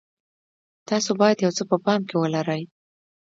تاسو باید یو څه په پام کې ولرئ.